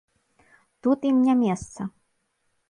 Тут ім не месца!